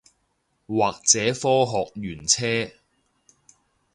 或者科學園車